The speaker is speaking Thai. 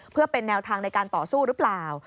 เพื่อเป็นแนวทางในการต่อสู้หรือเปล่า